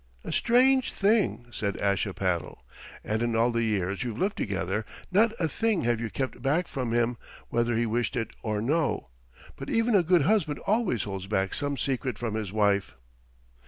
"A strange thing," said Ashipattle; "and in all the years you've lived together not a thing have you kept back from him, whether he wished it or no. But even a good husband always holds back some secret from his wife."